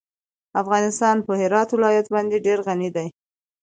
افغانستان په هرات ولایت باندې ډېر غني دی.